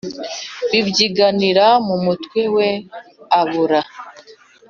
bibyiganira mu mutwe we abura